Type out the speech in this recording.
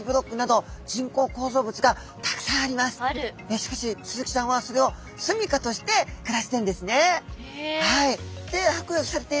しかしスズキちゃんはそれをすみかとして暮らしてるんですね。